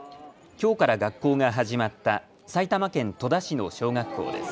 きょうから学校が始まった埼玉県戸田市の小学校です。